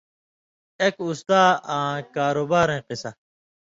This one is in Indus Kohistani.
اېک اُستا آں کاروباریں قصہ